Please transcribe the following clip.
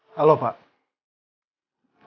kalau saya tahu apa apa juga mie itu membungkus